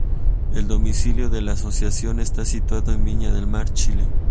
El domicilio de la asociación está situado en Viña del Mar, Chile.